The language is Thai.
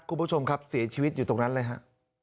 คุณผู้ชมครับเสียชีวิตอยู่ตรงนั้นเลยฮะ